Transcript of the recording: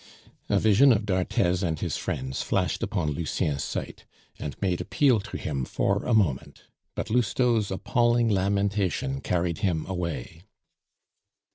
A vision of d'Arthez and his friends flashed upon Lucien's sight, and made appeal to him for a moment; but Lousteau's appalling lamentation carried him away.